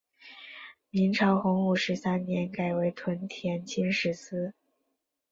明朝洪武十三年改为屯田清吏司。